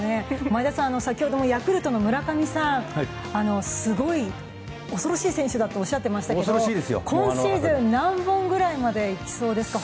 前田さん、先ほどもヤクルトの村上さんのことをすごい、恐ろしい選手だっておっしゃってましたけど今シーズン、何本くらいまでいきそうですか。